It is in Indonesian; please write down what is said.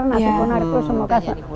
nasi punar itu semua